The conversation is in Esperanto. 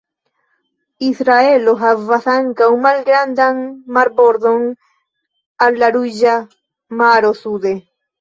Israelo havas ankaŭ malgrandan marbordon al la Ruĝa Maro sude.